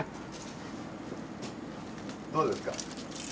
どうですか？